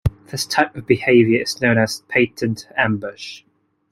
This type of behaviour is known as a "patent ambush".